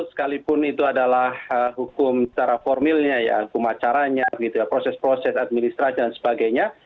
sekalipun itu adalah hukum secara formilnya ya hukum acaranya proses proses administrasi dan sebagainya